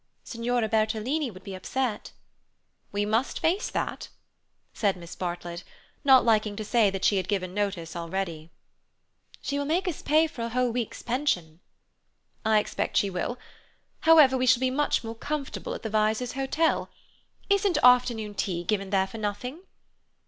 "Signora Bertolini would be upset." "We must face that," said Miss Bartlett, not liking to say that she had given notice already. "She will make us pay for a whole week's pension." "I expect she will. However, we shall be much more comfortable at the Vyses' hotel. Isn't afternoon tea given there for nothing?"